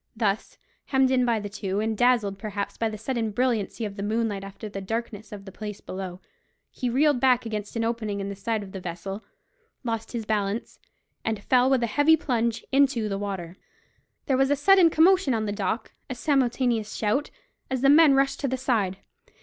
Thus hemmed in by the two, and dazzled, perhaps, by the sudden brilliancy of the moonlight after the darkness of the place below, he reeled back against an opening in the side of the vessel, lost his balance, and fell with a heavy plunge into the water. There was a sudden commotion on the deck, a simultaneous shout, as the men rushed to the side.